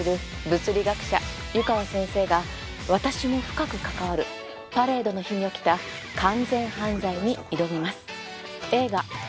物理学者湯川先生が私も深く関わるパレードの日に起きた完全犯罪に挑みます。